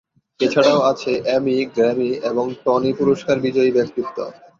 এছাড়াও আছেন Emmy, Grammy, এবং টনি পুরস্কার বিজয়ী ব্যক্তিত্ব।